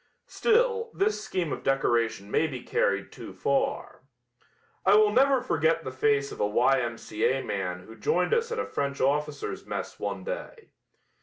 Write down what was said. Still, this scheme of decoration may be carried too far. I will never forget the face of a Y. M. C. A. man who joined us at a French officers' mess one day.